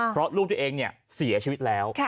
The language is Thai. เพราะลูกตัวเองเสียชีวิตแล้ว